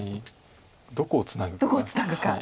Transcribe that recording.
どこをツナぐか。